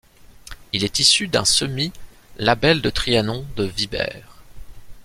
Il est issu d'un semis 'La Belle de Trianon' de Vibert.